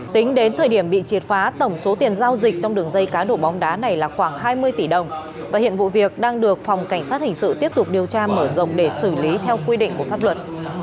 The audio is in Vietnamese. tính đến thời điểm bị triệt phá tổng số tiền giao dịch trong đường dây cá độ bóng đá này là khoảng hai mươi tỷ đồng và hiện vụ việc đang được phòng cảnh sát hình sự tiếp tục điều tra mở rộng để xử lý theo quy định của pháp luật